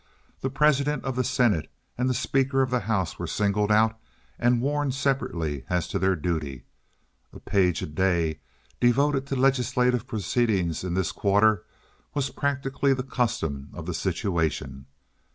The president of the senate and the speaker of the house were singled out and warned separately as to their duty. A page a day devoted to legislative proceeding in this quarter was practically the custom of the situation.